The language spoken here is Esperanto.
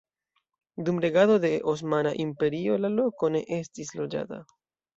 Dum regado de Osmana Imperio la loko ne estis loĝata.